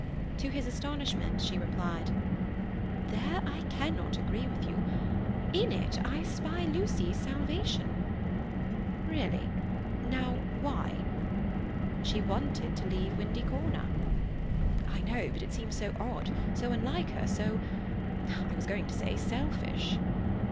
To his astonishment, she replied: "There I cannot agree with you. In it I spy Lucy's salvation." "Really. Now, why?" "She wanted to leave Windy Corner." "I know—but it seems so odd, so unlike her, so—I was going to say—selfish."